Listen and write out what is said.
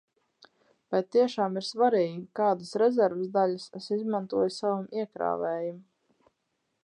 Vai tiešām ir svarīgi, kādas rezerves daļas es izmantoju savam iekrāvējam?